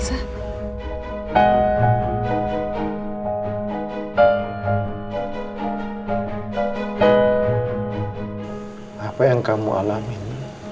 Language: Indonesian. ini adalah akibat dari perbuatan kamu sendiri sam